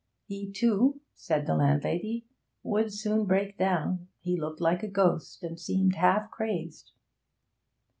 He, too,' said the landlady, 'would soon break down: he looked like a ghost, and seemed "half crazed."'